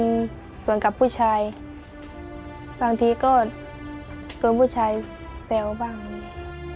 และกับผู้จัดการที่เขาเป็นดูเรียนหนังสือ